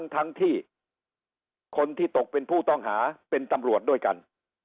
ทั้งที่คนที่ตกเป็นผู้ต้องหาเป็นตำรวจด้วยกัน